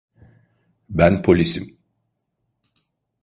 Ben polisim.